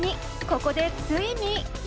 ここでついに！